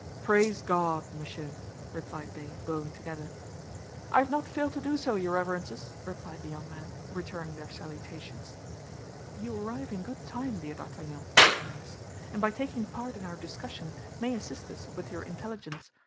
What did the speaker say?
"Praise God, monsieur," replied they, bowing together. "I have not failed to do so, your Reverences," replied the young man, returning their salutation. "You arrive in good time, dear D'Artagnan," said Aramis, "and by taking part in our discussion may assist us with your intelligence.